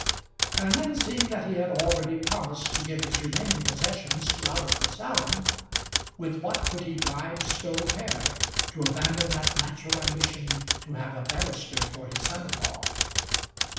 And then, seeing that he had already promised to give his remaining possessions to Albert Fitzallen, with what could he bribe Snow père to abandon that natural ambition to have a barrister for his son in law?